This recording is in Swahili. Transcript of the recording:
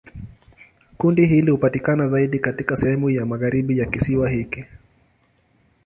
Kundi hili hupatikana zaidi katika sehemu ya magharibi ya kisiwa hiki.